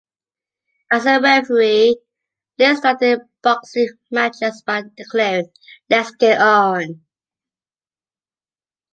As a referee, Lane started boxing matches by declaring Let's get it on!